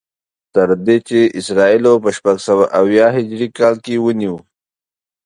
تر دې چې اسرائیلو په شپږسوه او اویا هجري کال کې ونیو.